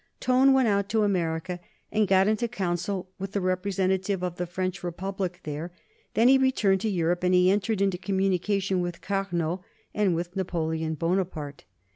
Tone went out to America and got into council with the representative of the French Republic there; then he returned to Europe, and he entered into communication with Carnot and with Napoleon Bonaparte.